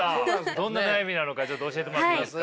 どんな悩みなのかちょっと教えてもらっていいですか。